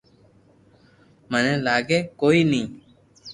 مني لاگي ڪوئي ني